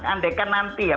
andai kan nanti ya